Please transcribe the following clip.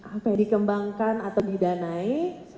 apa ya dikembangkan atau didanai